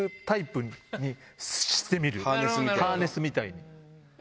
ハーネスみたいに。